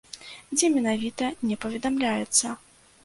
Дзе менавіта, не паведамляецца.